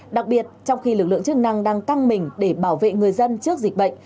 đặc biệt trong khi lực lượng chức năng đang căng mình để bảo vệ người dân trước dịch bệnh